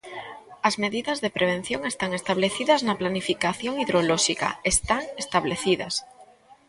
As medidas de prevención están establecidas na planificación hidrolóxica, están establecidas.